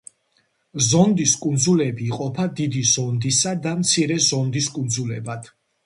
ზონდის კუნძულები იყოფა დიდი ზონდისა და მცირე ზონდის კუნძულებად.